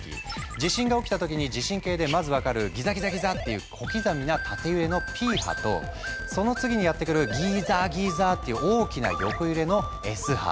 地震が起きた時に地震計でまず分かるギザギザギザッという小刻みな縦揺れのＰ波とその次にやって来るギザァギザァという大きな横揺れのＳ波。